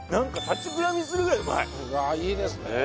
いいですね